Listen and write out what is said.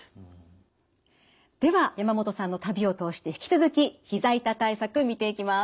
では山本さんの旅を通して引き続きひざ痛対策見ていきます。